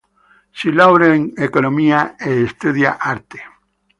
Si laurea in economia e studia arte.